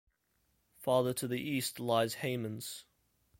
Farther to the east lies Heymans.